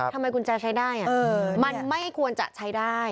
กุญแจใช้ได้มันไม่ควรจะใช้ได้